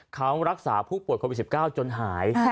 เขารักษาผู้ป่วยโควิด๑๙จนหาย